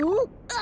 あ？